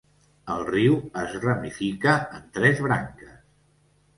El riu es ramifica en tres branques.